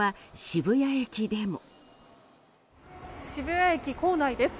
渋谷駅構内です。